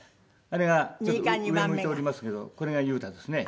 あれがちょっと上向いておりますけどこれが優汰ですね。